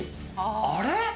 あれ？